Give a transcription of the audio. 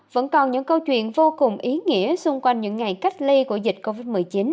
vẫn còn những câu chuyện vô cùng ý nghĩa xung quanh những ngày cách ly của dịch covid một mươi chín